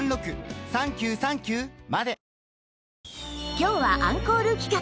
今日はアンコール企画